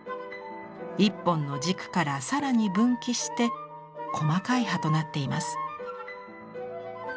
１本の軸からさらに分岐して細かい葉となっています。